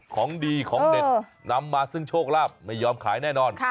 ของดีของเด็ดนำมาซึ่งโชคลาภไม่ยอมขายแน่นอน